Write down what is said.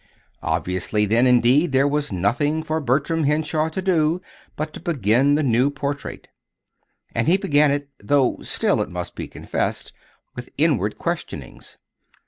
Obviously, then, indeed, there was nothing for Bertram Henshaw to do but to begin the new portrait. And he began it though still, it must be confessed, with inward questionings.